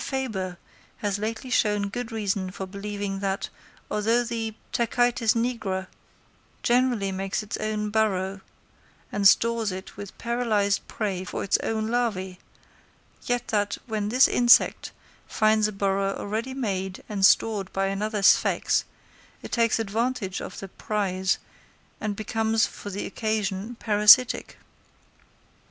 Fabre has lately shown good reason for believing that, although the Tachytes nigra generally makes its own burrow and stores it with paralysed prey for its own larvæ, yet that, when this insect finds a burrow already made and stored by another sphex, it takes advantage of the prize, and becomes for the occasion parasitic.